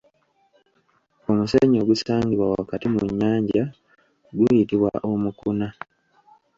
Omusenyu ogusangibwa wakati mu nnyanja guyitibwa Omukuna.